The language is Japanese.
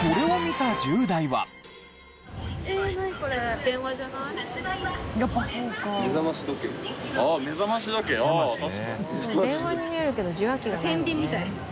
電話に見えるけど受話器がないもんね。